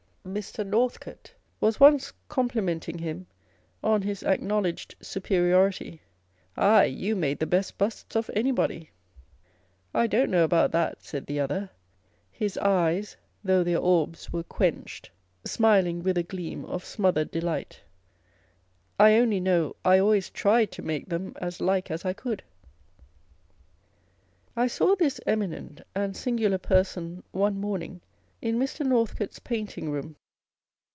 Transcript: Mr. Northcote was once complimenting him on his acknowledged superiority â€" " Ay, you made the best busts of anybody !"" I don't know about that," said the other, his eyes (though their orbs were quenched) smiling with a gleam of smothered delight â€" " I only know I always tried to make them as like as I could !" I saw this eminont and singular person one morning in Mr. Northcote's painting room.